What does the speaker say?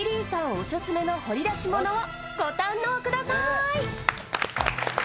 オススメの掘り出し物をご堪能ください。